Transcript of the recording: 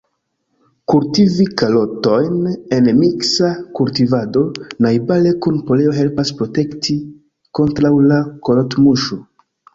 Kultivi karotojn en miksa kultivado najbare kun poreo helpas protekti kontraŭ la karotmuŝo.